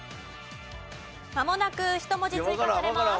まもなく１文字追加されます。